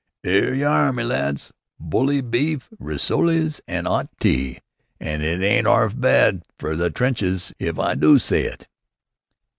"'Ere you are, me lads! Bully beef rissoles an' 'ot tea, an' it ain't 'arf bad fer the trenches if I do s'y it."